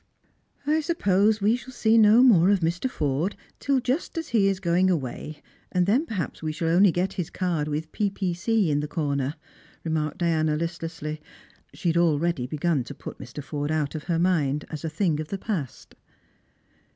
" I suppose we shall see no more of Mr. Forde till just as he is foing away, and then perhaps we shall only get his card with '.P.C. in the corner," remarked Diana listlessly. She had already begun to put Mr. Forde out of her miad, as a thing of the past.